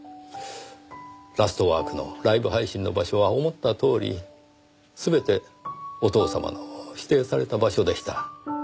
『ラストワーク』のライブ配信の場所は思ったとおり全てお父様の指定された場所でした。